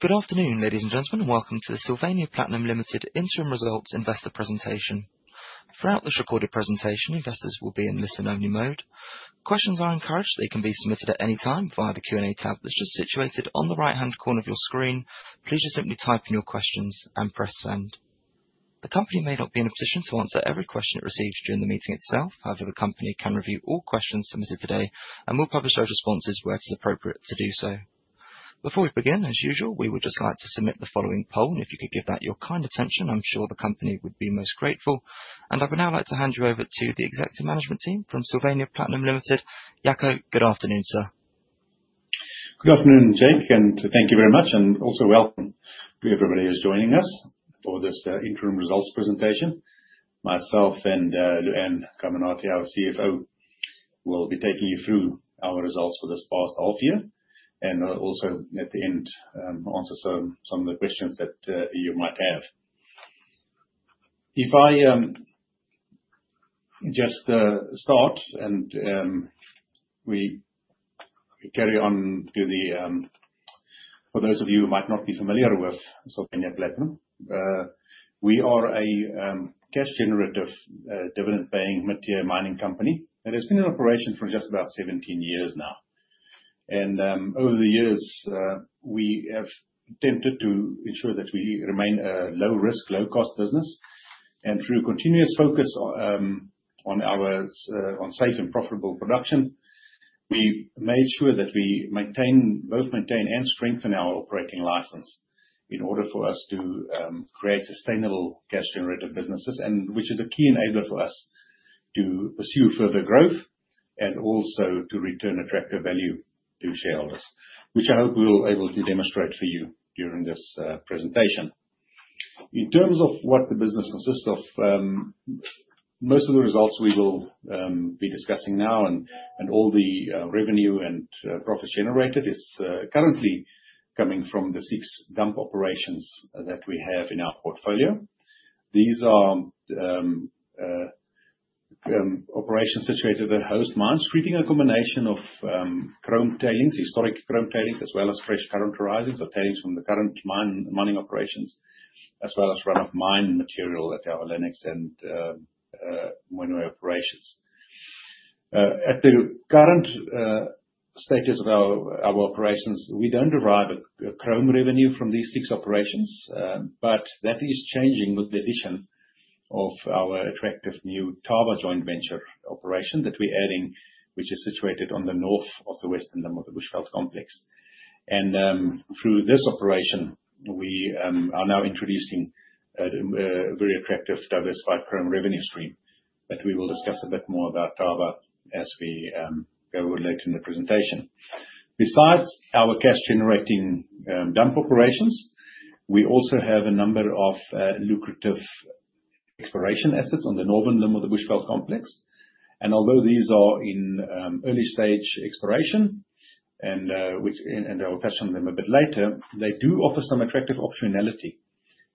Good afternoon, ladies and gentlemen, and welcome to the Sylvania Platinum Limited interim results investor presentation. Throughout this recorded presentation, investors will be in listen-only mode. Questions are encouraged. They can be submitted at any time via the Q&A tab that's just situated on the right-hand corner of your screen. Please just simply type in your questions and press send. The company may not be in a position to answer every question it receives during the meeting itself. However, the company can review all questions submitted today and will publish those responses where it is appropriate to do so. Before we begin, as usual, we would just like to submit the following poll, and if you could give that your kind attention, I'm sure the company would be most grateful. I would now like to hand you over to the executive management team from Sylvania Platinum Limited. Jaco, good afternoon, sir. Good afternoon, Jake, and thank you very much, and also welcome to everybody who's joining us for this interim results presentation. Myself and Lewanne Carminati, our CFO, will be taking you through our results for this past half year. We will also at the end answer some of the questions that you might have. For those of you who might not be familiar with Sylvania Platinum, we are a cash generative, dividend-paying metal mining company that has been in operation for just about 17 years now. Over the years, we have attempted to ensure that we remain a low-risk, low-cost business. Through continuous focus on our safe and profitable production, we've made sure that we both maintain and strengthen our operating license in order for us to create sustainable cash generative businesses, and which is a key enabler for us to pursue further growth and also to return attractive value to shareholders, which I hope we'll be able to demonstrate for you during this presentation. In terms of what the business consists of, most of the results we will be discussing now and all the revenue and profit generated is currently coming from the six dump operations that we have in our portfolio. These are operations situated at host mines, treating a combination of chrome tailings, historic chrome tailings, as well as fresh current arisings or tailings from the current mining operations, as well as run-of-mine material at our Lannex and Mooinooi operations. At the current stages of our operations, we don't derive chrome revenue from these six operations, but that is changing with the addition of our attractive new Thaba joint venture operation that we're adding, which is situated on the north of the western limb of the Bushveld Complex. Through this operation, we are now introducing a very attractive diversified chrome revenue stream that we will discuss a bit more about Thaba as we go later in the presentation. Besides our cash-generating dump operations, we also have a number of lucrative exploration assets on the northern limb of the Bushveld Complex. Although these are in early-stage exploration, and I will touch on them a bit later, they do offer some attractive optionality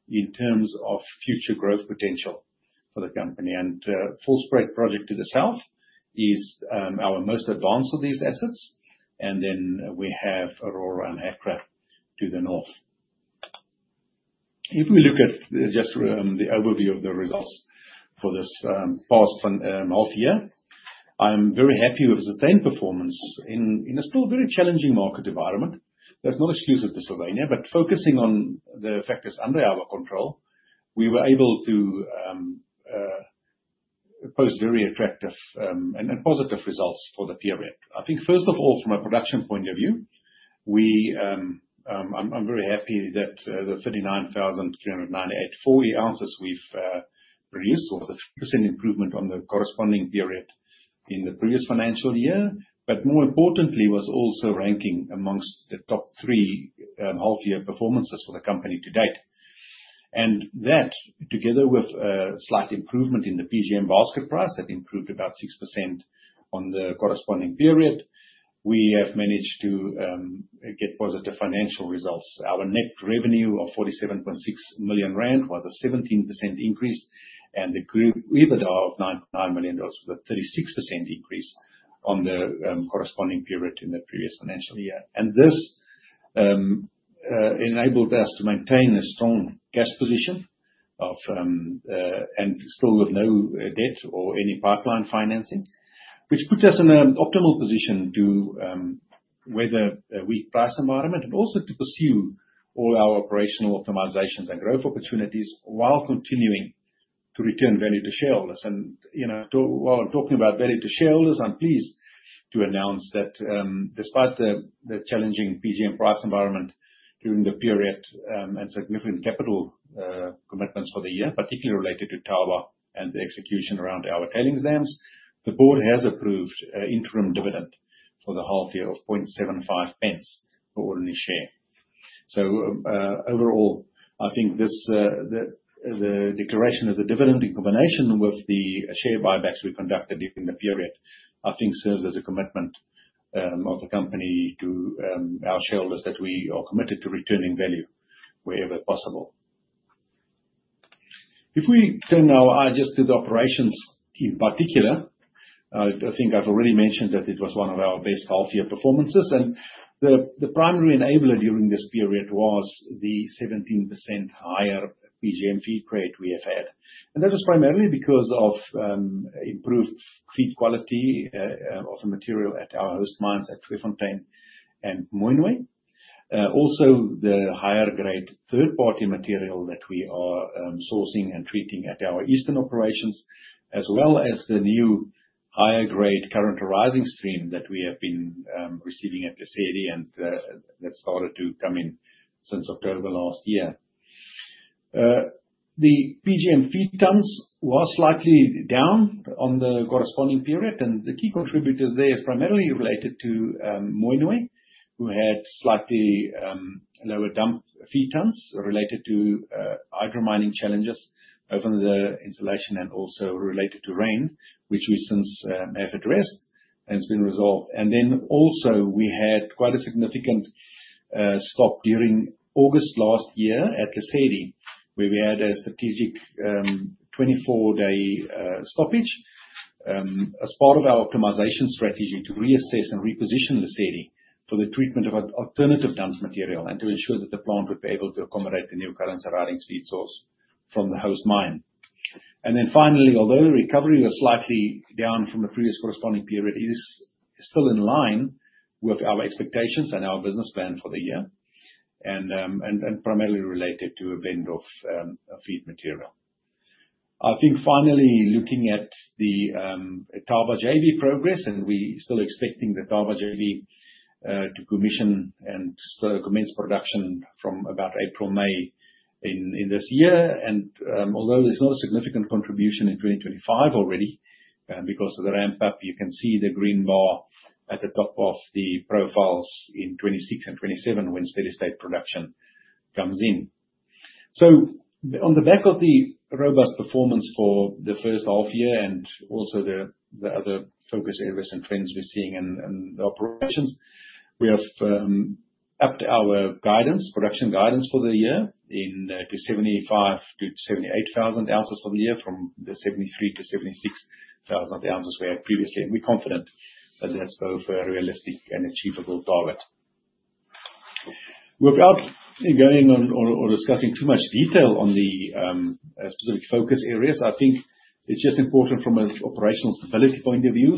in terms of future growth potential for the company. Volspruit project to the south is our most advanced of these assets, and then we have Aurora and Hacra to the north. If we look at just the overview of the results for this past half year, I'm very happy with the operational performance in a still very challenging market environment. There's no excuses at Sylvania, but focusing on the factors under our control, we were able to post very attractive and positive results for the period. I think first of all, from a production point of view, I'm very happy that the 39,398 4E ounces we've produced was a 50% improvement on the corresponding period in the previous financial year, but more importantly, was also ranking amongst the top three half year performances for the company to date. That, together with a slight improvement in the PGM basket price, that improved about 6% on the corresponding period, we have managed to get positive financial results. Our net revenue of 47.6 million rand was a 17% increase, and the group EBITDA of $9.9 million was a 36% increase on the corresponding period in the previous financial year. This enabled us to maintain a strong cash position and still with no debt or any pipeline financing, which put us in an optimal position to weather a weak price environment and also to pursue all our operational optimizations and growth opportunities while continuing to return value to shareholders. While I'm talking about value to shareholders, I'm pleased to announce that, despite the challenging PGM price environment during the period, and significant capital commitments for the year, particularly related to Thaba and the execution around our tailings dams, the board has approved an interim dividend for the half year of 0.75 pence for ordinary share. Overall, I think the declaration of the dividend in combination with the share buybacks we conducted during the period, I think serves as a commitment of the company to our shareholders that we are committed to returning value wherever possible. If we turn our eyes just to the operations in particular, I think I've already mentioned that it was one of our best half-year performances. The primary enabler during this period was the 17% higher PGM feed grade we have had. That was primarily because of improved feed quality of the material at our host mines at Tweefontein and Mooinooi. Also, the higher grade third-party material that we are sourcing and treating at our eastern operations, as well as the new higher grade current arisings stream that we have been receiving at Lesedi and that started to come in since October last year. The PGM feed tons was slightly down on the corresponding period, and the key contributors there is primarily related to Mooinooi, who had slightly lower dump feed tons related to underground mining challenges over the installation and also related to rain, which we since have addressed and has been resolved. Then also we had quite a significant stop during August last year at Lesedi, where we had a strategic 24-day stoppage as part of our optimization strategy to reassess and reposition Lesedi for the treatment of alternative dump material and to ensure that the plant would be able to accommodate the new current arisings feed source from the host mine. Finally, although recovery was slightly down from the previous corresponding period, it is still in line with our expectations and our business plan for the year, primarily related to a blend of feed material. I think finally looking at the Thaba JV progress, and we're still expecting the Thaba JV to commission and commence production from about April, May in this year. Although there's no significant contribution in 2025 already because of the ramp up, you can see the green bar at the top of the profiles in 2026 and 2027 when steady-state production comes in. On the back of the robust performance for the first half year and also the other focus areas and trends we're seeing in the operations, we have upped our production guidance for the year to 75,000 -78,000 ounces for the year from the 73,000-76,000 ounces we had previously. We're confident that that's both a realistic and achievable target. Without going on or discussing too much detail on the specific focus areas, I think it's just important from an operational stability point of view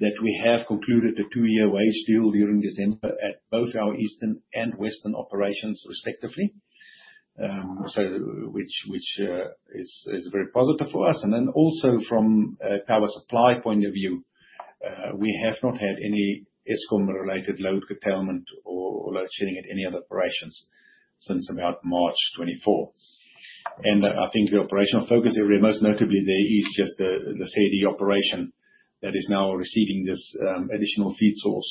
that we have concluded a two-year wage deal during December at both our eastern and western operations, respectively. Which is very positive for us. Then also from a power supply point of view, we have not had any Eskom-related load curtailment or load shedding at any of the operations since about March 24th. I think the operational focus area, most notably there is just the Lesedi operation that is now receiving this additional feed source,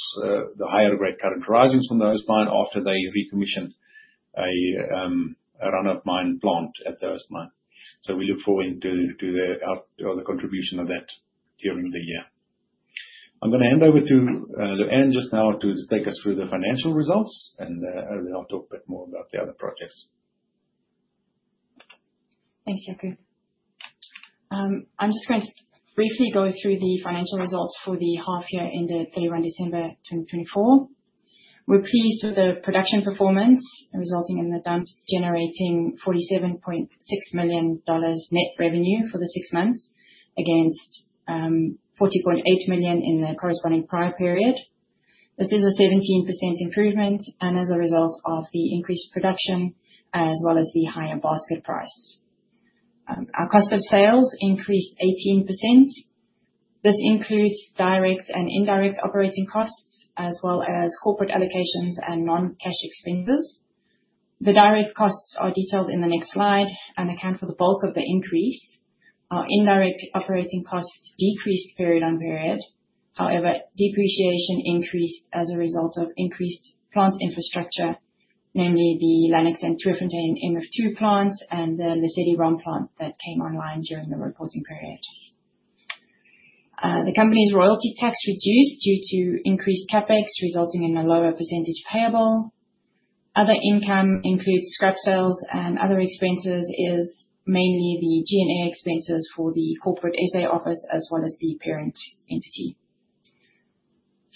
the higher grade current arisings from the host mine after they recommissioned a run-of-mine plant at the host mine. We look forward to the contribution of that during the year. I'm going to hand over to Lewanne just now to take us through the financial results, and then I'll talk a bit more about the other projects. Thanks, Jaco. I'm just going to briefly go through the financial results for the half year ended 31 December 2024. We're pleased with the production performance, resulting in the dumps generating $47.6 million net revenue for the six months against $40.8 million in the corresponding prior period. This is a 17% improvement and as a result of the increased production as well as the higher basket price. Our cost of sales increased 18%. This includes direct and indirect operating costs as well as corporate allocations and non-cash expenses. The direct costs are detailed in the next slide and account for the bulk of the increase. Our indirect operating costs decreased period-on-period. However, depreciation increased as a result of increased plant infrastructure, namely the Lannex and Tweefontein MF2 plants and the Lesedi ROM plant that came online during the reporting period. The company's royalty tax reduced due to increased CapEx, resulting in a lower percentage payable. Other income includes scrap sales, and other expenses are mainly the G&A expenses for the corporate SA office as well as the parent entity.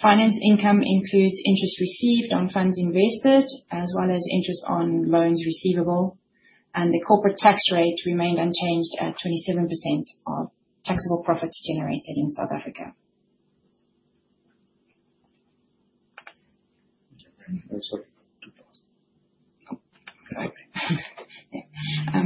Finance income includes interest received on funds invested as well as interest on loans receivable, and the corporate tax rate remained unchanged at 27% of taxable profits generated in South Africa. Sorry.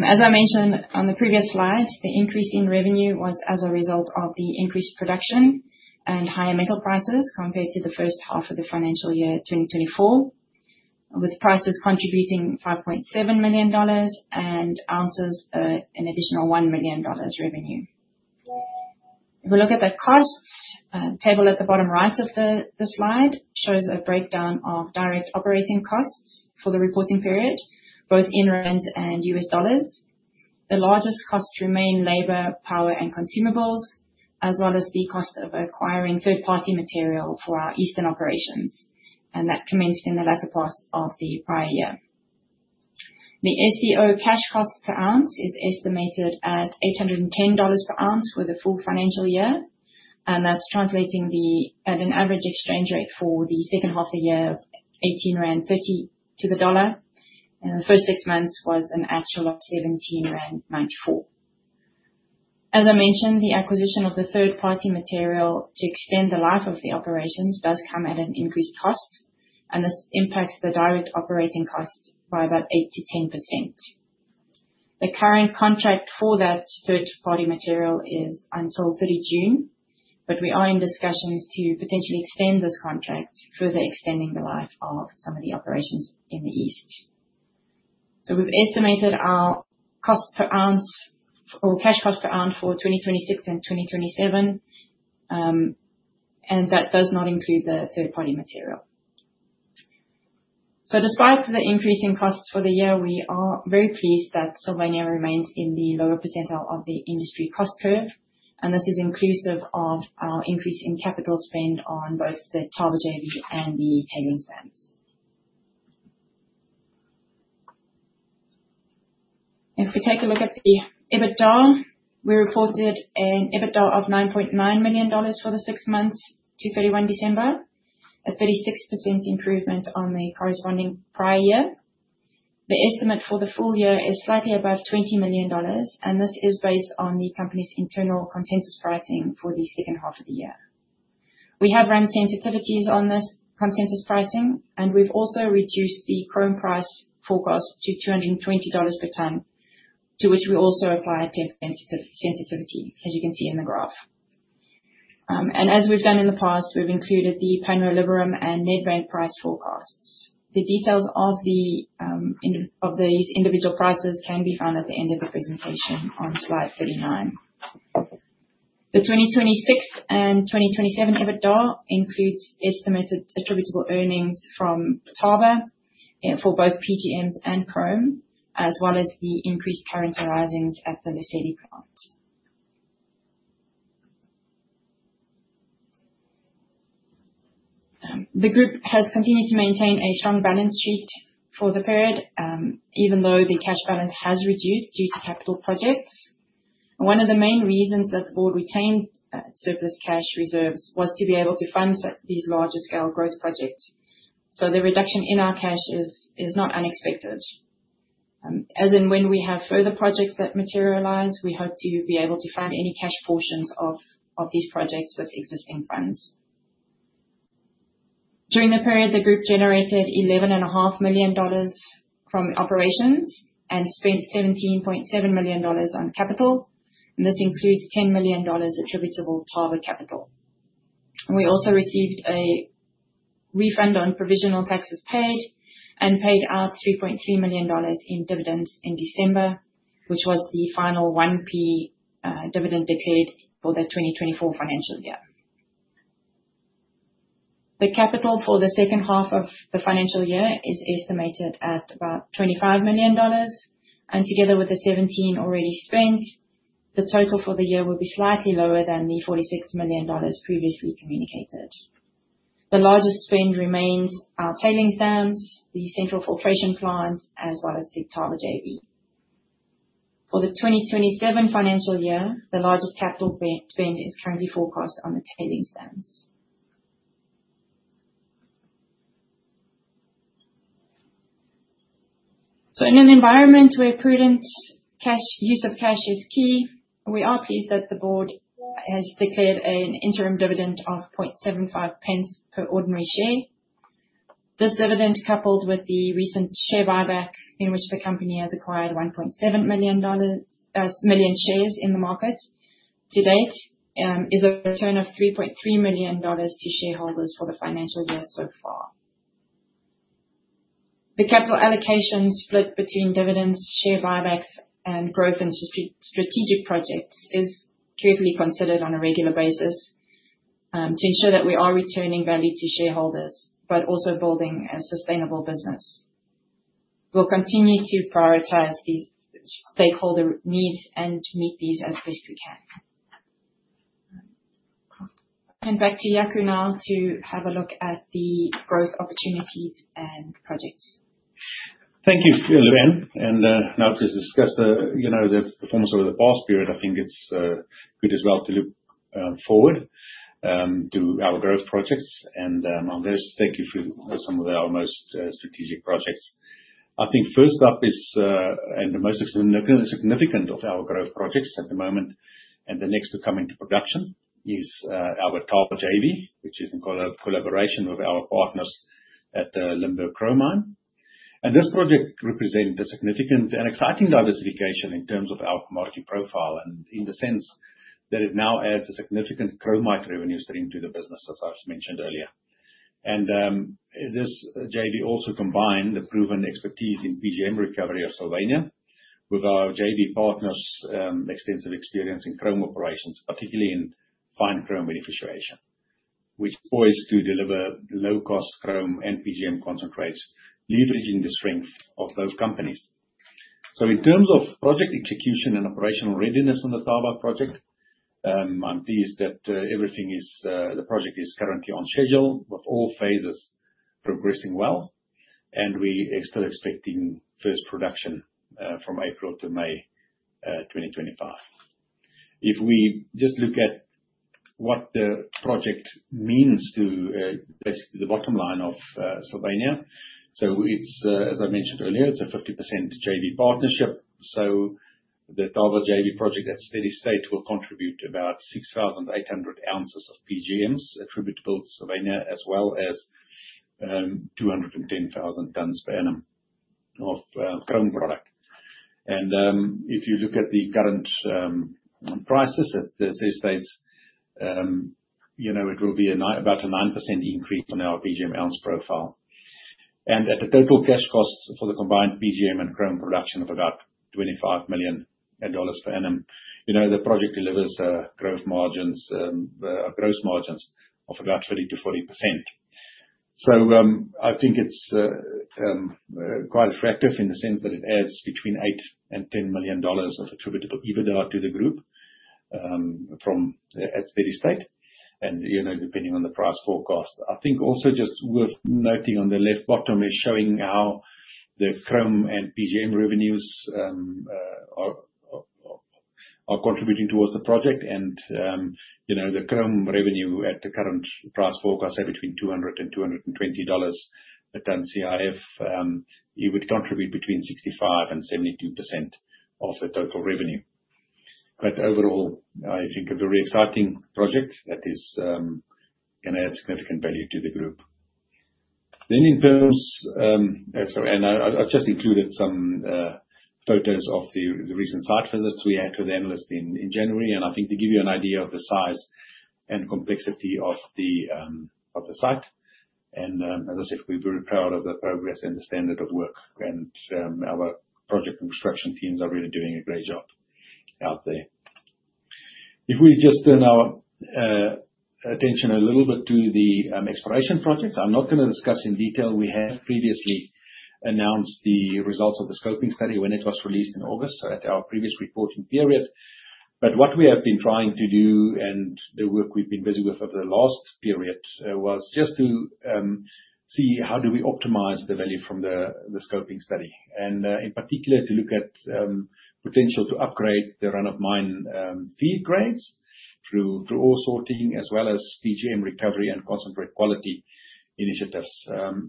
As I mentioned on the previous slide, the increase in revenue was as a result of the increased production and higher metal prices compared to the first half of the financial year 2024, with prices contributing $5.7 million and ounces an additional $1 million revenue. If we look at the cost table at the bottom right of the slide shows a breakdown of direct operating costs for the reporting period, both in rand and US dollars. The largest costs remain labor, power and consumables. As well as the cost of acquiring third-party material for our eastern operations, and that commenced in the latter part of the prior year. The SDO cash cost per ounce is estimated at $810 per ounce for the full financial year, and that's translating at an average exchange rate for the second half of the year of 18.30 rand to the dollar. The first six months was an actual of 17.94 rand. As I mentioned, the acquisition of the third party material to extend the life of the operations does come at an increased cost. This impacts the direct operating costs by about 8%-10%. The current contract for that third party material is until 30 June, but we are in discussions to potentially extend this contract, further extending the life of some of the operations in the East. We've estimated our cost per ounce or cash cost per ounce for 2026 and 2027, and that does not include the third party material. Despite the increase in costs for the year, we are very pleased that Sylvania remains in the lower percentile of the industry cost curve, and this is inclusive of our increase in capital spend on both the Thaba JV and the Tailings Dams. If we take a look at the EBITDA, we reported an EBITDA of $9.9 million for the six months to 31 December, a 36% improvement on the corresponding prior year. The estimate for the full year is slightly above $20 million, and this is based on the company's internal consensus pricing for the second half of the year. We have run sensitivities on this consensus pricing, and we've also reduced the chrome price forecast to $220 per ton, to which we also apply sensitivity, as you can see in the graph. As we've done in the past, we've included the Panmure Liberum and Nedbank price forecasts. The details of these individual prices can be found at the end of the presentation on slide 39. The 2026 and 2027 EBITDA includes estimated attributable earnings from Thaba for both PGMs and chrome, as well as the increased current arisings at the Lesedi plant. The group has continued to maintain a strong balance sheet for the period, even though the cash balance has reduced due to capital projects. One of the main reasons that the board retained surplus cash reserves was to be able to fund these larger scale growth projects. The reduction in our cash is not unexpected. As and when we have further projects that materialize, we hope to be able to fund any cash portions of these projects with existing funds. During the period, the group generated $11.5 million from operations and spent $17.7 million on capital, and this includes $10 million attributable Thaba capital. We also received a refund on provisional taxes paid and paid out $3.2 million in dividends in December, which was the final one pence dividend declared for the 2024 financial year. The capital for the second half of the financial year is estimated at about $25 million, and together with the $17 million already spent, the total for the year will be slightly lower than the $46 million previously communicated. The largest spend remains our tailings dams, the central filtration plant, as well as the Thaba JV. For the 2027 financial year, the largest capital spend is currently forecast on the tailings dams. In an environment where prudent use of cash is key, we are pleased that the board has declared an interim dividend of GBP 0.75p per ordinary share. This dividend, coupled with the recent share buyback in which the company has acquired 1.7 million shares in the market to date, is a return of $3.3 million to shareholders for the financial year so far. The capital allocation split between dividends, share buybacks, and growth in strategic projects is carefully considered on a regular basis to ensure that we are returning value to shareholders, but also building a sustainable business. We'll continue to prioritize these stakeholder needs and meet these as best we can. Back to Jaco now to have a look at the growth opportunities and projects. Thank you, Lewanne. Now to discuss the performance over the past period, I think it's good as well to look forward to our growth projects. I'm going to take you through some of our most strategic projects. I think first up is, and the most significant of our growth projects at the moment, and the next to come into production is our Thaba JV, which is in collaboration with our partners at the Limberg Chrome Mine. This project represents a significant and exciting diversification in terms of our commodity profile and in the sense that it now adds a significant chromite revenue stream to the business, as I've mentioned earlier. This JV also combined the proven expertise in PGM recovery of Sylvania with our JV partner's extensive experience in chrome operations, particularly in fine chrome beneficiation, which is poised to deliver low-cost chrome and PGM concentrates, leveraging the strength of both companies. In terms of project execution and operational readiness on the Thaba project, I'm pleased that the project is currently on schedule with all phases progressing well, and we are still expecting first production from April to May 2025. If we just look at what the project means to the bottom line of Sylvania. As I mentioned earlier, it's a 50% JV partnership, so the Thaba JV project at steady state will contribute about 6,800 ounces of PGMs attributable to Sylvania, as well as 210,000 tonnes per annum of chrome product. If you look at the current prices at the steady states, it will be about a 9% increase on our PGM ounce profile. At a total cash cost for the combined PGM and chrome production of about $25 million per annum, the project delivers gross margins of about 30%-40%. I think it's quite attractive in the sense that it adds between $8 million and $10 million of attributable EBITDA to the group at steady state, and depending on the price forecast. I think also just worth noting on the bottom left is showing how the chrome and PGM revenues are contributing towards the project and the chrome revenue at the current price forecast are between $200 and $220 a tonne CIF, it would contribute between 65% and 72% of the total revenue. Overall, I think a very exciting project that is going to add significant value to the group. I've just included some photos of the recent site visits we had with analysts in January, and I think to give you an idea of the size and complexity of the site. As I said, we're very proud of the progress and the standard of work, and our project construction teams are really doing a great job out there. If we just turn our attention a little bit to the exploration projects. I'm not going to discuss in detail. We have previously announced the results of the scoping study when it was released in August at our previous reporting period. What we have been trying to do, and the work we've been busy with over the last period, was just to see how do we optimize the value from the scoping study. In particular, to look at potential to upgrade the run-of-mine feed grades through ore sorting as well as PGM recovery and concentrate quality initiatives,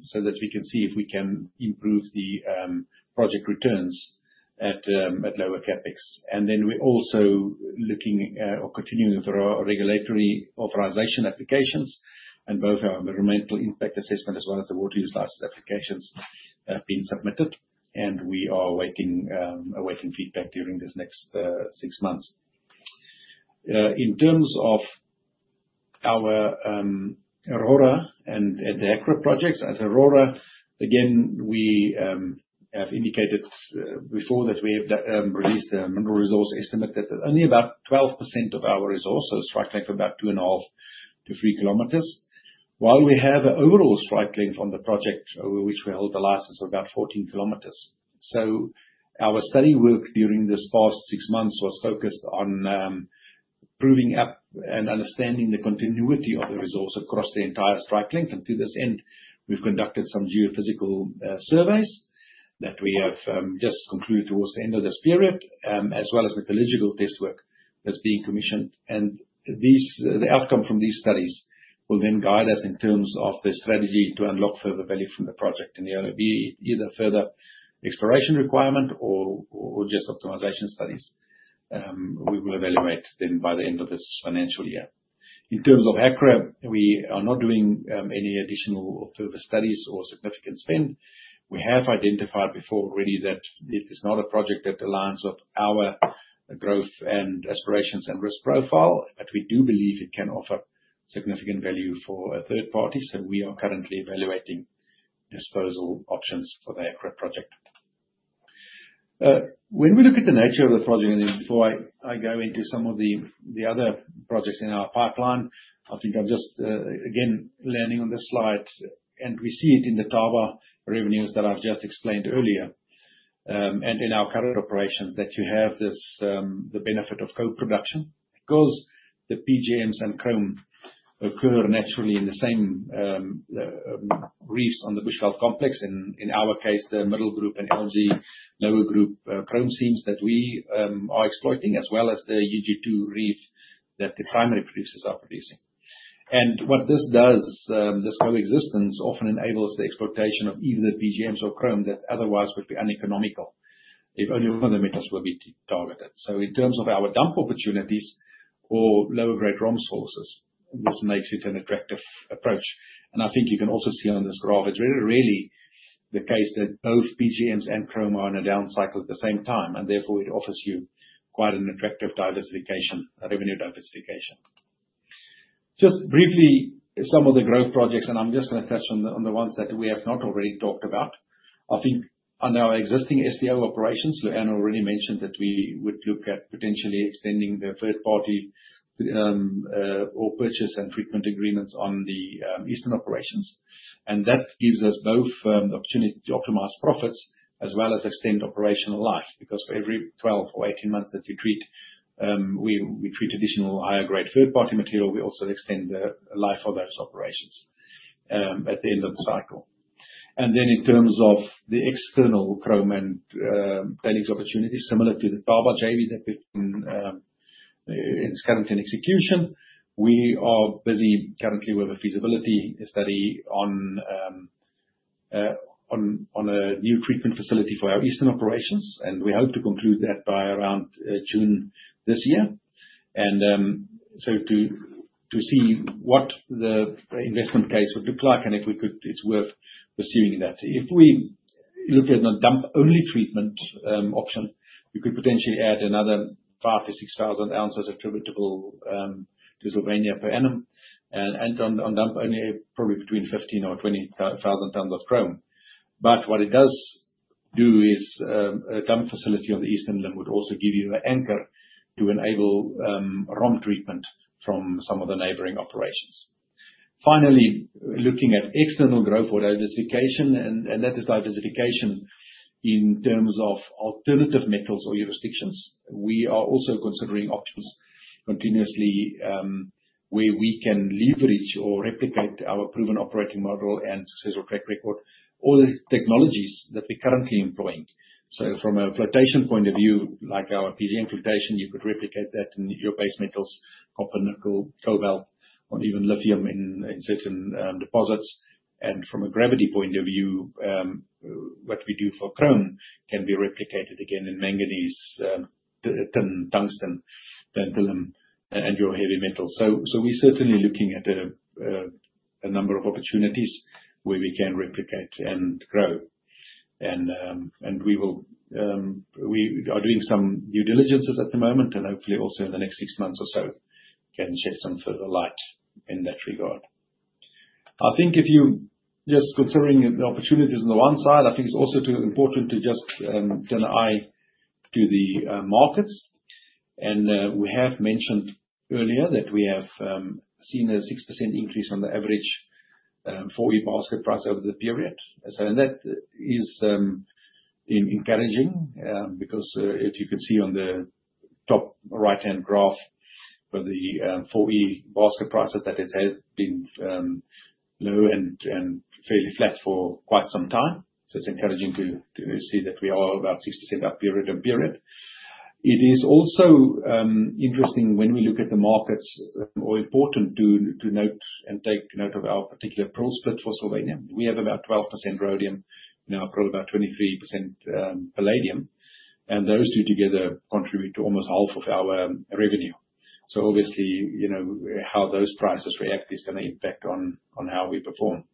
so that we can see if we can improve the project returns at lower CapEx. We're also looking or continuing with our regulatory authorization applications and both our environmental impact assessment as well as the water use license applications have been submitted. We are awaiting feedback during this next six months. In terms of our Aurora and the Hacra projects. At Aurora, again, we have indicated before that we have released a mineral resource estimate that only about 12% of our resources strike length of about 2.5 km-3 km, while we have an overall strike length on the project over which we hold the license of about 14 km. Our study work during this past six months was focused on proving up and understanding the continuity of the resource across the entire strike length. To this end, we've conducted some geophysical surveys that we have just concluded towards the end of this period, as well as the geological test work that's being commissioned. The outcome from these studies will then guide us in terms of the strategy to unlock further value from the project. There will be either further exploration requirement or just optimization studies. We will evaluate then by the end of this financial year. In terms of Hacra, we are not doing any additional or further studies or significant spend. We have identified before already that it is not a project that aligns with our growth and aspirations and risk profile, but we do believe it can offer significant value for a third party. We are currently evaluating disposal options for the Hacra project. When we look at the nature of the project, and then before I go into some of the other projects in our pipeline. I think I'm just, again, landing on this slide, and we see it in the Thaba revenues that I've just explained earlier. In our current operations that you have the benefit of co-production, because the PGMs and chrome occur naturally in the same reefs on the Bushveld Complex. In our case, the Middle Group and LG Lower Group chrome seams that we are exploiting, as well as the UG2 reefs that the primary producers are producing. What this does, this coexistence often enables the exploitation of either PGMs or chrome that otherwise would be uneconomical if only one of the metals will be targeted. In terms of our dump opportunities or lower-grade chrome sources, this makes it an attractive approach. I think you can also see on this graph, it's very rarely the case that both PGMs and chrome are in a down cycle at the same time, and therefore it offers you quite an attractive revenue diversification. Just briefly, some of the growth projects, and I'm just going to touch on the ones that we have not already talked about. I think on our existing SDO operations, Lewanne already mentioned that we would look at potentially extending the third party or purchase and treatment agreements on the Eastern operations. That gives us both an opportunity to optimize profits as well as extend operational life, because for every 12 or 18 months that we treat additional higher grade third-party material, we also extend the life of those operations at the end of the cycle. In terms of the external chrome and tailings opportunities, similar to the Thaba JV that is currently in execution, we are busy currently with a feasibility study on a new treatment facility for our Eastern operations, and we hope to conclude that by around June this year. To see what the investment case would look like and if it's worth pursuing that. If we look at the dump only treatment option, we could potentially add another 5,000-6,000 ounces attributable to Sylvania per annum, and on dump only probably between 15,000-20,000 tonnes of chrome. What it does do is a dump facility on the Eastern Limb would also give you an anchor to enable ROM treatment from some of the neighboring operations. Finally, looking at external growth or diversification, and that is diversification in terms of alternative metals or jurisdictions. We are also considering options continuously where we can leverage or replicate our proven operating model and successful track record, all the technologies that we currently employ. From a flotation point of view, like our PGM flotation, you could replicate that in your base metals, copper, nickel, cobalt, or even lithium in certain deposits. From a gravity point of view, what we do for chrome can be replicated again in manganese, tin, tungsten, tantalum, and your heavy metals. We're certainly looking at a number of opportunities where we can replicate and grow. We are doing some due diligences at the moment and hopefully also in the next six months or so can shed some further light in that regard. I think if you just considering the opportunities on the one side, I think it's also important to just turn an eye to the markets. We have mentioned earlier that we have seen a 6% increase on the average 4E basket price over the period. That is encouraging, because as you can see on the top right-hand graph for the 4E basket prices, that has been low and fairly flat for quite some time. It's encouraging to see that we are about 6% up period on period. It is also interesting when we look at the markets. It's important to note and take note of our particular PGM split for Sylvania. We have about 12% rhodium in our PGM, about 23% palladium, and those two together contribute to almost half of our revenue. Obviously, how those prices react is going to impact on how we perform.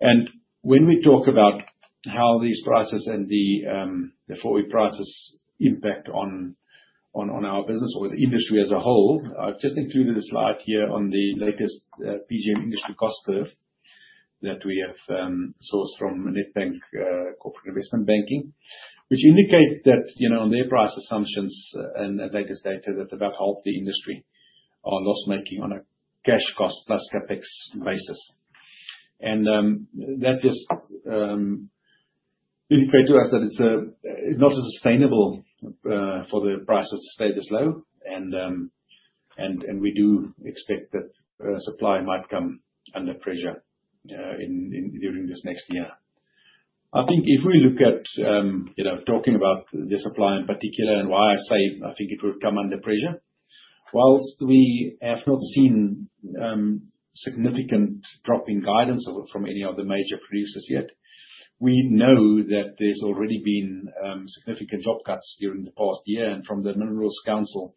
When we talk about how these prices and the 4E prices impact on our business or the industry as a whole, I've just included a slide here on the latest PGM industry cost curve that we have sourced from Nedbank Corporate and Investment Banking. Which indicate that on their price assumptions and their latest data, that about half the industry are loss-making on a cash cost plus CapEx basis. That just indicates to us that it's not sustainable for the prices to stay this low. We do expect that supply might come under pressure during this next year. I think if we look at talking about the supply in particular and why I say I think it will come under pressure, whilst we have not seen significant drop in guidance from any of the major producers yet, we know that there's already been significant job cuts during the past year. From the Minerals Council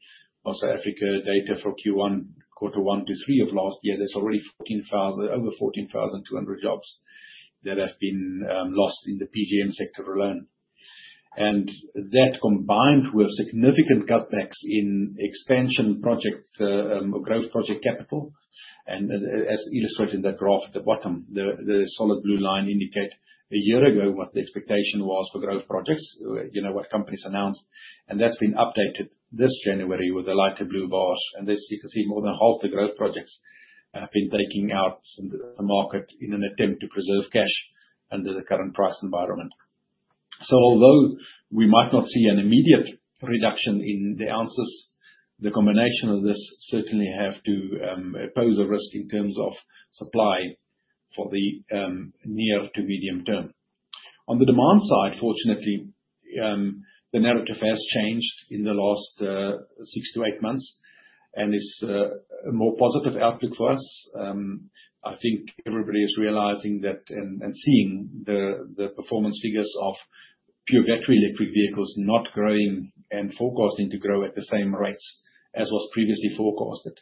South Africa data for quarter one to three of last year, there's already over 14,200 jobs that have been lost in the PGM sector alone. That combined with significant cutbacks in expansion projects or growth project capital, and as illustrated in that graph at the bottom, the solid blue line indicate a year ago what the expectation was for growth projects, what companies announced. That's been updated this January with the lighter blue bars. This, you can see more than half the growth projects have been taken out the market in an attempt to preserve cash under the current price environment. Although we might not see an immediate reduction in the ounces, the combination of this certainly have to pose a risk in terms of supply for the near to medium term. On the demand side, fortunately, the narrative has changed in the last six to eight months and is a more positive outlook for us. I think everybody is realizing that and seeing the performance figures of pure battery electric vehicles not growing and forecasted to grow at the same rates as was previously forecasted.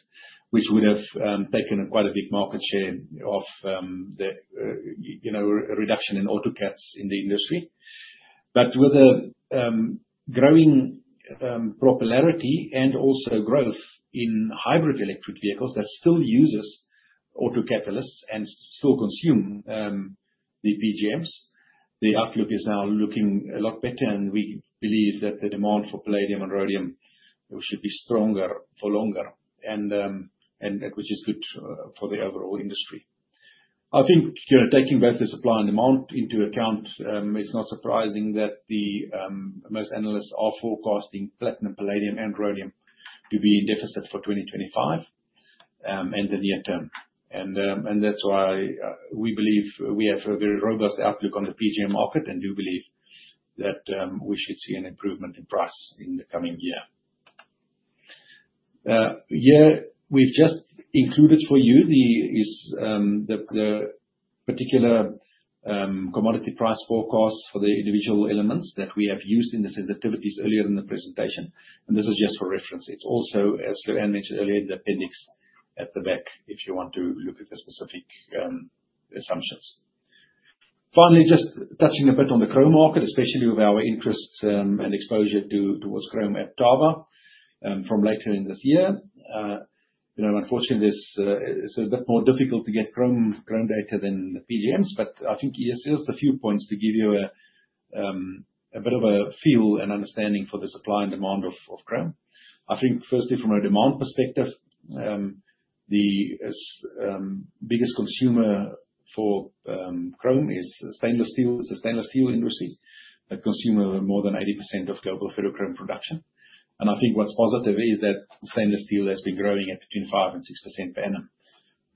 Which would have taken quite a big market share of the reduction in autocatalysts in the industry. With the growing popularity and also growth in hybrid electric vehicles, that still uses auto catalysts and still consume the PGMs, the outlook is now looking a lot better, and we believe that the demand for palladium and rhodium should be stronger for longer, which is good for the overall industry. I think taking both the supply and demand into account, it's not surprising that most analysts are forecasting platinum, palladium and rhodium to be in deficit for 2025, and the near term. That's why we believe we have a very robust outlook on the PGM market, and do believe that we should see an improvement in price in the coming year. Here we've just included for you the particular commodity price forecast for the individual elements that we have used in the sensitivities earlier in the presentation. This is just for reference. It's also, as Lewanne mentioned earlier, in the appendix at the back if you want to look at the specific assumptions. Finally, just touching a bit on the chrome market, especially with our interests and exposure towards chrome at Thaba from later in this year. Unfortunately, it's a bit more difficult to get chrome data than PGMs, but I think here's just a few points to give you a bit of a feel and understanding for the supply and demand of chrome. I think firstly, from a demand perspective, the biggest consumer for chrome is the stainless steel industry, that consume more than 80% of global ferrochrome production. I think what's positive is that stainless steel has been growing at between 5%-6% per annum.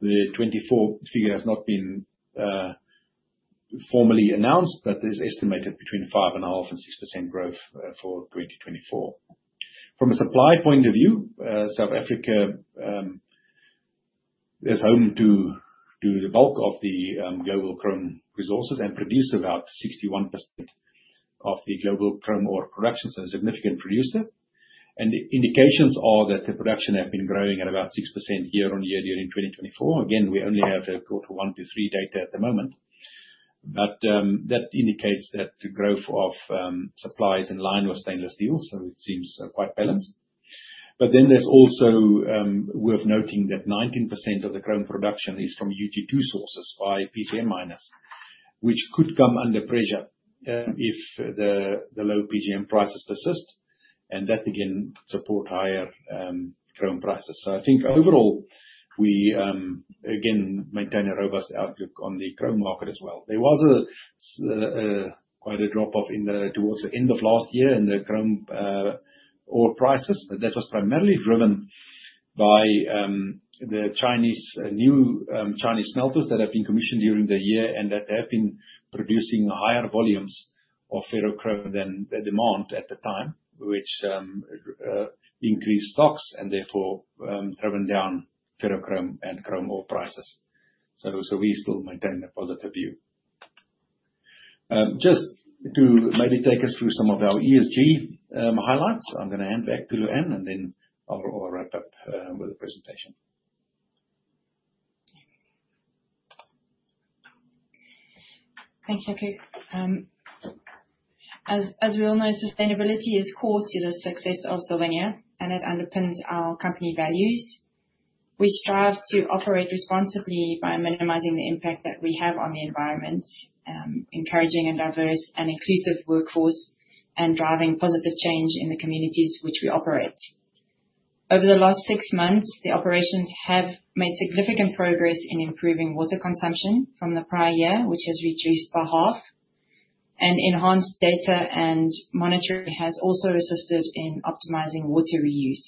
The 2024 figure has not been formally announced, but is estimated between 5.5%-6% growth for 2024. From a supply point of view, South Africa is home to the bulk of the global chrome resources and produce about 61% of the global chrome ore production, so a significant producer. The indications are that the production has been growing at about 6% year-on-year during 2024. Again, we only have quarter one to three data at the moment. That indicates that the growth of supply is in line with stainless steel, so it seems quite balanced. There's also worth noting that 19% of the chrome production is from UG2 sources by PGM miners, which could come under pressure if the low PGM prices persist, and that again support higher chrome prices. I think overall, we again maintain a robust outlook on the chrome market as well. There was quite a drop-off towards the end of last year in the chrome ore prices, that was primarily driven by the new Chinese smelters that have been commissioned during the year, and that have been producing higher volumes of ferrochrome than the demand at the time, which increased stocks and therefore, driven down ferrochrome and chrome ore prices. We still maintain a positive view. Just to maybe take us through some of our ESG highlights. I'm going to hand back to Lewanne, and then I'll wrap up with the presentation. Thanks, Jaco. As we all know, sustainability is core to the success of Sylvania, and it underpins our company values. We strive to operate responsibly by minimizing the impact that we have on the environment, encouraging a diverse and inclusive workforce, and driving positive change in the communities which we operate. Over the last six months, the operations have made significant progress in improving water consumption from the prior year, which has reduced by half. Enhanced data and monitoring has also assisted in optimizing water reuse.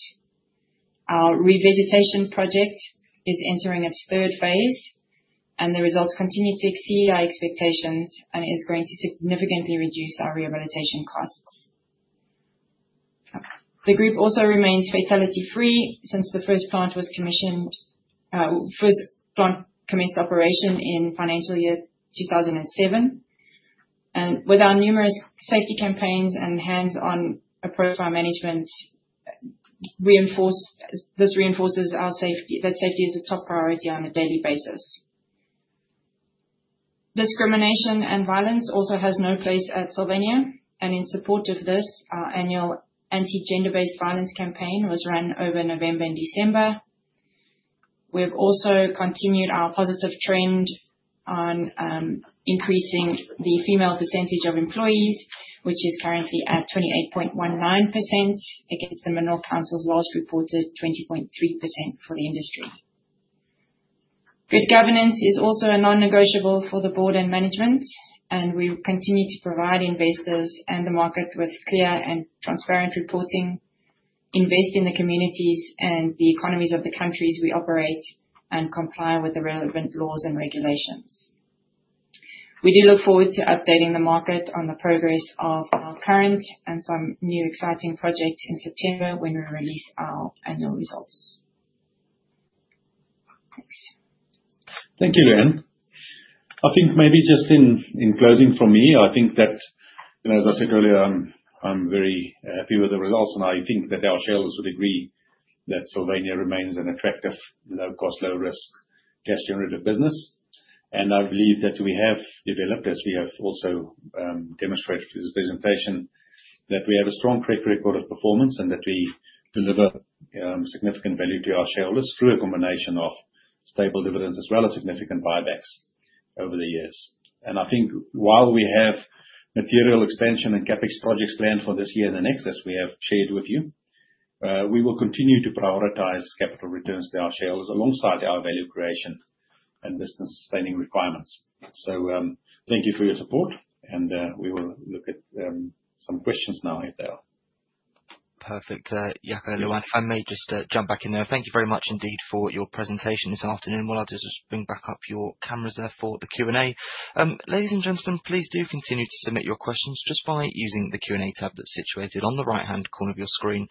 Our revegetation project is entering its phase III, and the results continue to exceed our expectations and is going to significantly reduce our rehabilitation costs. The group also remains fatality-free since the first plant commenced operation in financial year 2007. With our numerous safety campaigns and hands-on approach by management, this reinforces that safety is a top priority on a daily basis. Discrimination and violence also has no place at Sylvania, and in support of this, our annual anti-gender-based violence campaign was run over November and December. We've also continued our positive trend on increasing the female percentage of employees, which is currently at 28.19% against the Minerals Council's last reported 20.3% for the industry. Good governance is also a non-negotiable for the board and management, and we will continue to provide investors and the market with clear and transparent reporting, invest in the communities and the economies of the countries we operate, and comply with the relevant laws and regulations. We do look forward to updating the market on the progress of our current and some new exciting projects in September, when we release our annual results. Thanks. Thank you, Lewanne. I think maybe just in closing from me, I think that, as I said earlier, I'm very happy with the results, and I think that our shareholders would agree that Sylvania remains an attractive, low cost, low risk, cash generative business. I believe that we have developed, as we have also demonstrated through this presentation, that we have a strong track record of performance and that we deliver significant value to our shareholders through a combination of stable dividends as well as significant buybacks over the years. I think while we have material expansion and CapEx projects planned for this year and next, as we have shared with you, we will continue to prioritize capital returns to our shareholders alongside our value creation and business sustaining requirements. Thank you for your support and we will look at some questions now if there are. Perfect. Jaco, Lewanne, if I may just jump back in there. Thank you very much indeed for your presentation this afternoon. What I'll do is just bring back up your cameras there for the Q&A. Ladies and gentlemen, please do continue to submit your questions just by using the Q&A tab that's situated on the right-hand corner of your screen.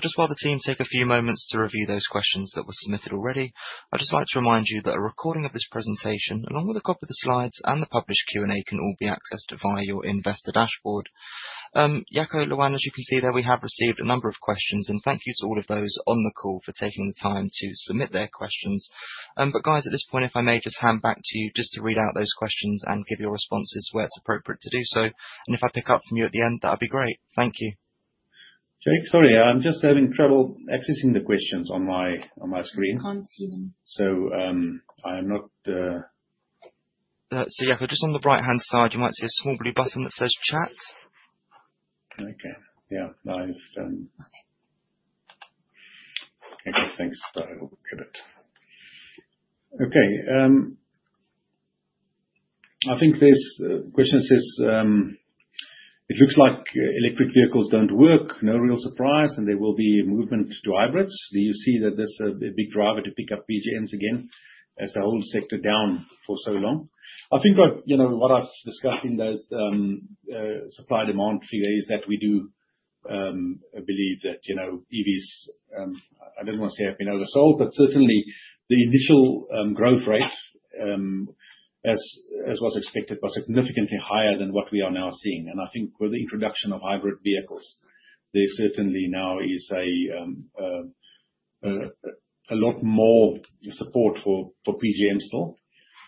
Just while the team take a few moments to review those questions that were submitted already, I'd just like to remind you that a recording of this presentation, along with a copy of the slides and the published Q&A, can all be accessed via your investor dashboard. Jaco, Lewanne, as you can see there, we have received a number of questions, and thank you to all of those on the call for taking the time to submit their questions. Guys, at this point, if I may just hand back to you just to read out those questions and give your responses where it's appropriate to do so. If I pick up from you at the end, that'd be great. Thank you. Jake, sorry, I'm just having trouble accessing the questions on my screen. Can't see them. I am not. Jaco, just on the right-hand side, you might see a small blue button that says Chat. Okay. Yeah. Okay, thanks. Got it. Okay. I think this question says, "It looks like electric vehicles don't work, no real surprise, and there will be movement to hybrids. Do you see that this a big driver to pick up PGMs again as the whole sector down for so long?" I think what I've discussed in the supply/demand figure is that we do believe that EVs, I don't want to say have been oversold, but certainly the initial growth rate, as was expected, was significantly higher than what we are now seeing. I think with the introduction of hybrid vehicles, there certainly now is a lot more support for PGM still.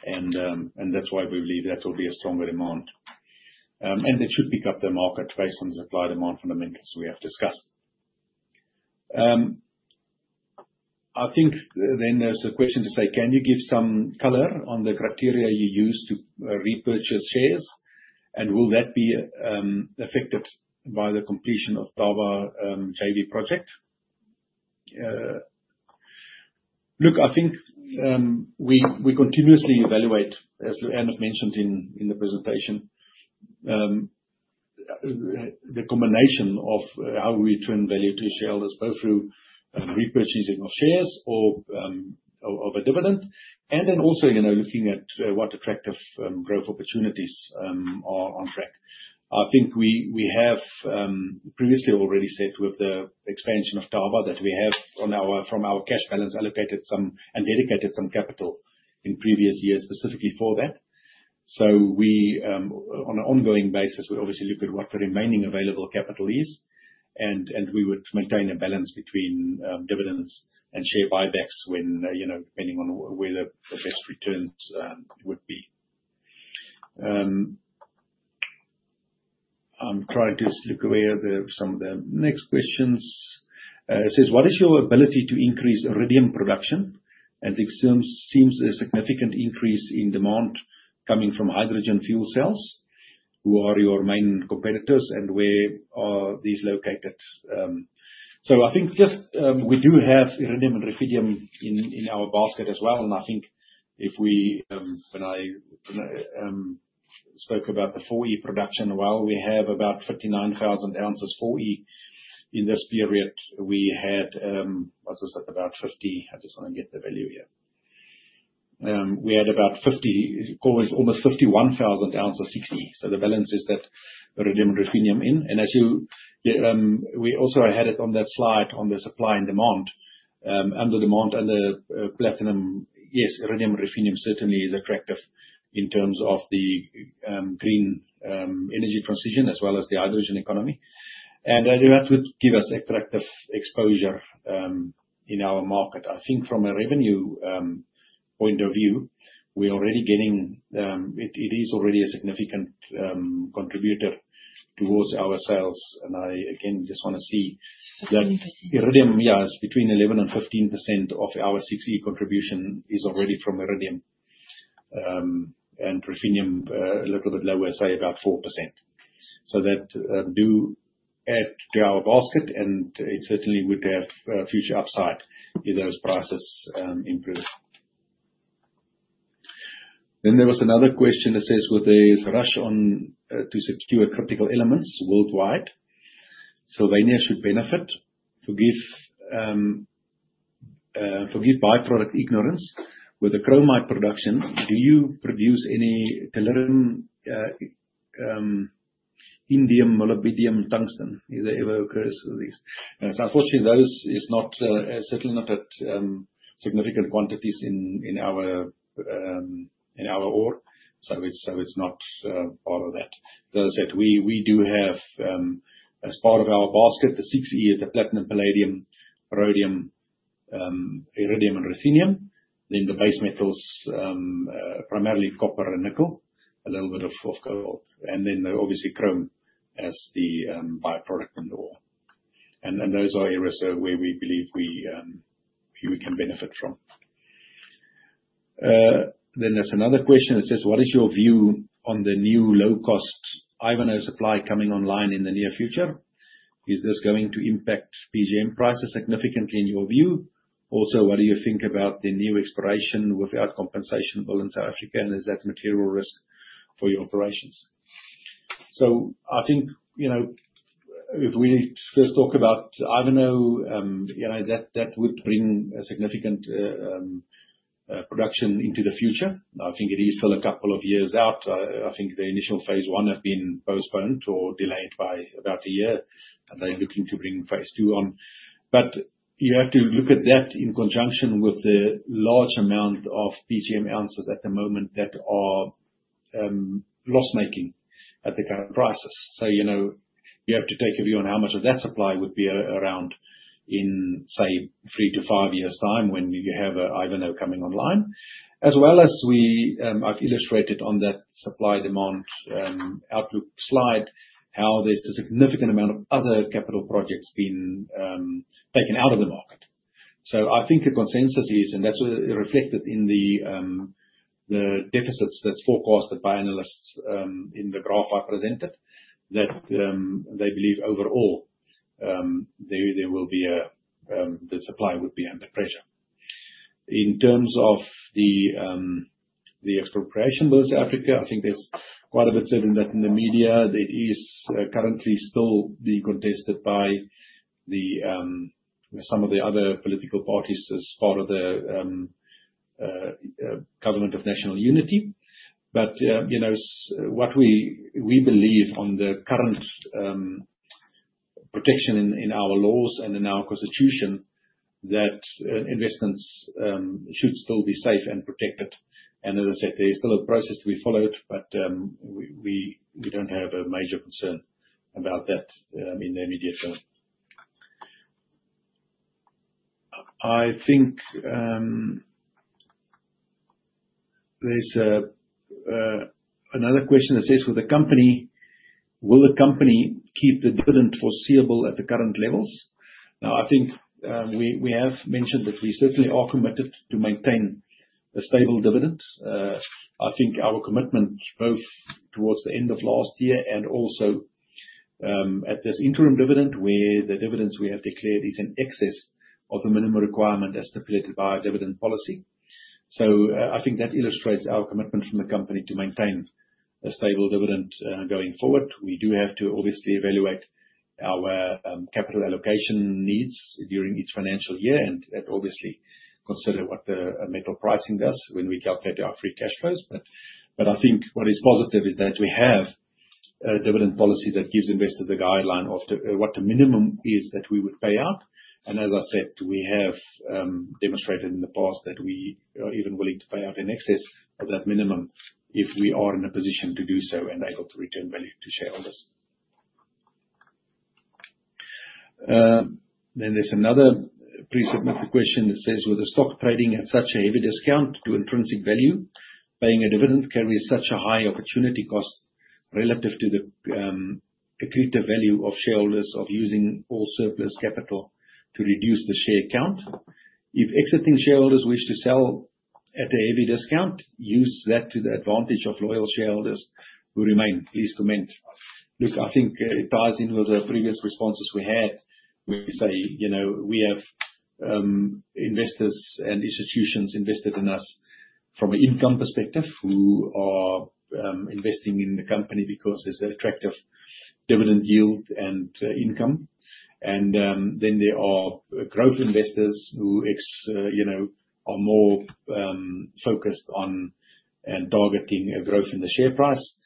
That's why we believe that will be a stronger demand. It should pick up the market based on the supply/demand fundamentals we have discussed. I think there's a question to say, "Can you give some color on the criteria you use to repurchase shares, and will that be affected by the completion of Thaba JV project?" Look, I think we continuously evaluate, as Lewanne mentioned in the presentation, the combination of how we return value to shareholders, both through repurchasing of shares or of a dividend, and then also looking at what attractive growth opportunities are on track. I think we have previously already said with the expansion of Thaba, that we have from our cash balance allocated some, and dedicated some capital in previous years specifically for that. We, on an ongoing basis, would obviously look at what the remaining available capital is, and we would maintain a balance between dividends and share buybacks when, depending on where the best returns would be. Next question's, it says, "What is your ability to increase iridium production? I think there's significant increase in demand coming from hydrogen fuel cells. Who are your main competitors and where are these located?" I think just, we do have iridium and ruthenium in our basket as well. I think if we, when I spoke about the 4E production, while we have about 59,000 ounces 4E in this period, we had about 50,000 ounces, almost 51,000 ounces 6E. The balance is that iridium and ruthenium in. As you... We also had it on that slide on the supply and demand. Under demand, under platinum, yes, iridium and ruthenium certainly is attractive in terms of the green energy transition as well as the hydrogen economy. That would give us attractive exposure in our market. I think from a revenue point of view, it is already a significant contributor towards our sales. I, again, just want to see. 15%. Iridium, yeah. Between 11%and 15% of our 6E contribution is already from iridium. Ruthenium, a little bit lower, say about 4%. That do add to our basket, and it certainly would have future upside if those prices improve. There was another question that says, "With this rush on to secure critical elements worldwide, Sylvania should benefit. Forgive by-product ignorance. With the chromite production, do you produce any tellurium, indium, molybdenum, tungsten? If they ever occurs with these." Unfortunately, those is not, certainly not at significant quantities in our ore. It's not part of that. As I said, we do have, as part of our basket, the 6E is the platinum, palladium, rhodium, iridium and ruthenium. The base metals, primarily copper and nickel, a little bit of gold. Obviously chrome as the byproduct in the ore. Those are areas where we believe we can benefit from. There's another question that says, "What is your view on the new low-cost Ivanhoe supply coming online in the near future? Is this going to impact PGM prices significantly in your view? Also, what do you think about the new expropriation without compensation in South Africa, and is that material risk for your operations?" I think, if we first talk about Ivanhoe, yeah, that would bring a significant production into the future. I think it is still a couple of years out. I think the initial phase I has been postponed or delayed by about a year. They're looking to bring phase II on. You have to look at that in conjunction with the large amount of PGM ounces at the moment that are loss-making at the current prices. You have to take a view on how much of that supply would be around in, say, three to five years' time when you have Ivanhoe coming online. As well as I've illustrated on that supply/demand outlook slide, how there's a significant amount of other capital projects being taken out of the market. I think the consensus is, and that's reflected in the deficits that's forecasted by analysts, in the graph I presented, that they believe overall, the supply would be under pressure. In terms of the Expropriation Bill in South Africa, I think there's quite a bit said in the media that is currently still being contested by some of the other political parties as part of the Government of National Unity. We believe on the current protection in our laws and in our constitution that investments should still be safe and protected. As I said, there is still a process to be followed, but we don't have a major concern about that in the immediate term. I think there's another question that says, "Will the company keep the dividend foreseeable at the current levels?" Now, I think we have mentioned that we certainly are committed to maintain a stable dividend. I think our commitment both towards the end of last year and also at this interim dividend, where the dividends we have declared is in excess of the minimum requirement as stipulated by our dividend policy. I think that illustrates our commitment from the company to maintain a stable dividend going forward. We do have to obviously evaluate our capital allocation needs during each financial year and obviously consider what the metal pricing does when we calculate our free cash flows. I think what is positive is that we have a dividend policy that gives investors a guideline of what the minimum is that we would pay out. As I said, we have demonstrated in the past that we are even willing to pay out in excess of that minimum if we are in a position to do so and able to return value to shareholders. There's another pretty significant question that says, "With the stock trading at such a heavy discount to intrinsic value, paying a dividend carries such a high opportunity cost relative to the accretive value of shareholders of using all surplus capital to reduce the share count. If exiting shareholders wish to sell at a heavy discount, use that to the advantage of loyal shareholders who remain. Please comment. Look, I think it ties in with our previous responses we had where we say, we have investors and institutions invested in us from an income perspective who are investing in the company because there's an attractive dividend yield and income. Then there are growth investors who are more focused on targeting a growth in the share price,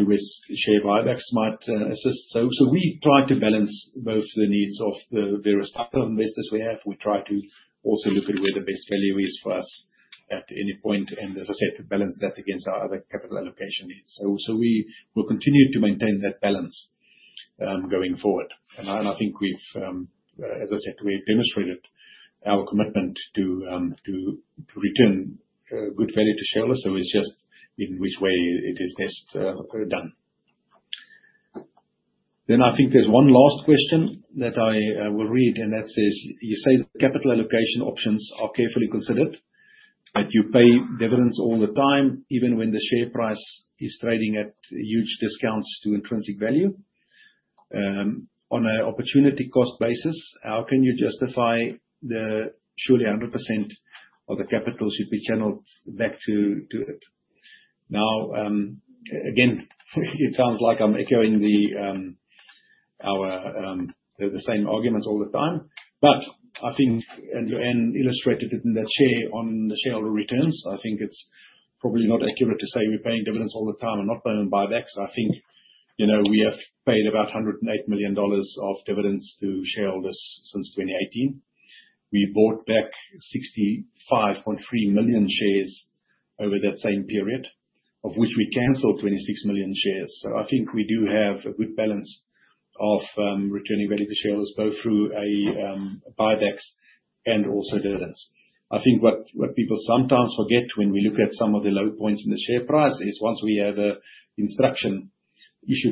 with share buybacks might assist. We try to balance both the needs of the various type of investors we have. We try to also look at where the best value is for us at any point. As I said, to balance that against our other capital allocation needs. We will continue to maintain that balance going forward. I think we've, as I said, demonstrated our commitment to return good value to shareholders, so it's just in which way it is best done. I think there's one last question that I will read and that says, "You say capital allocation options are carefully considered, but you pay dividends all the time, even when the share price is trading at huge discounts to intrinsic value. On an opportunity cost basis, how can you justify the surely 100% of the capital should be channeled back to it?" Now, again, it sounds like I'm echoing the same arguments all the time. I think, and Lewanne illustrated it in the slide on the shareholder returns. I think it's probably not accurate to say we're paying dividends all the time and not paying buybacks. I think we have paid about $108 million of dividends to shareholders since 2018. We bought back 65.3 million shares over that same period, of which we canceled 26 million shares. I think we do have a good balance of returning value to shareholders, both through buybacks and also dividends. I think what people sometimes forget when we look at some of the low points in the share price is once we issue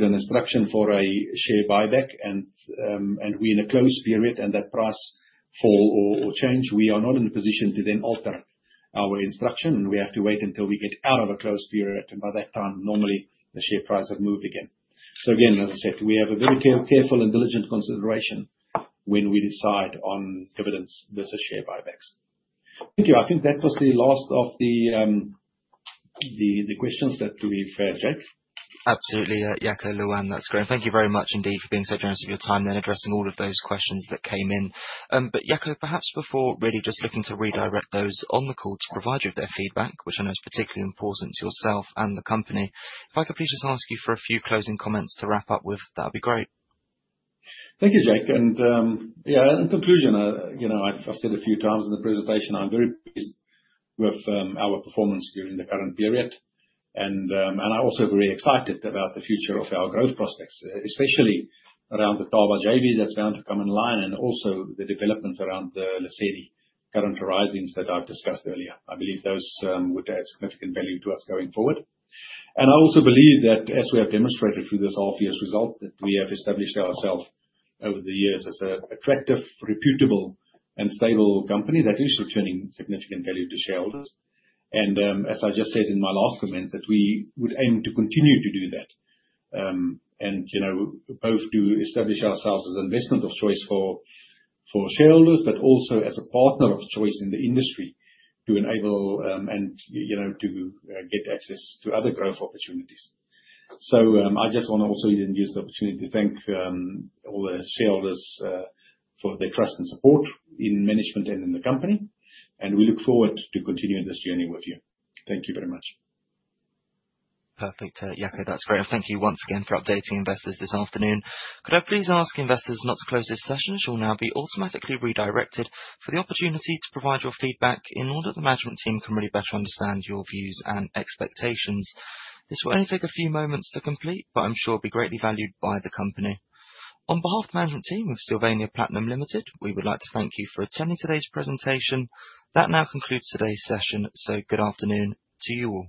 an instruction for a share buyback, and we're in a closed period and that price fall or change, we are not in a position to then alter our instruction, and we have to wait until we get out of a closed period, and by that time, normally the share price has moved again. Again, as I said, we have a very careful and diligent consideration when we decide on dividends versus share buybacks. Thank you. I think that was the last of the questions that we had, Jake. Absolutely. Jaco, Lewanne, that's great. Thank you very much indeed for being so generous with your time then addressing all of those questions that came in. Jaco, perhaps before really just looking to redirect those on the call to provide you with their feedback, which I know is particularly important to yourself and the company, if I could please just ask you for a few closing comments to wrap up with, that'd be great. Thank you, Jake. Yeah, in conclusion, I've said a few times in the presentation, I'm very pleased with our performance during the current period. I'm also very excited about the future of our growth prospects, especially around the Thaba JV that's bound to come in line and also the developments around the Lesedi current arisings that I've discussed earlier. I believe those would add significant value to us going forward. I also believe that as we have demonstrated through this half-year's result, that we have established ourselves over the years as an attractive, reputable, and stable company that is returning significant value to shareholders. As I just said in my last comments, that we would aim to continue to do that. Both to establish ourselves as investment of choice for shareholders, but also as a partner of choice in the industry to enable and to get access to other growth opportunities. I just want to also even use the opportunity to thank all the shareholders for their trust and support in management and in the company, and we look forward to continuing this journey with you. Thank you very much. Perfect. Jaco, that's great. Thank you once again for updating investors this afternoon. Could I please ask investors not to close this session, as you'll now be automatically redirected for the opportunity to provide your feedback in order that the management team can really better understand your views and expectations. This will only take a few moments to complete, but I'm sure it'll be greatly valued by the company. On behalf of the management team of Sylvania Platinum Limited, we would like to thank you for attending today's presentation. That now concludes today's session. Good afternoon to you all.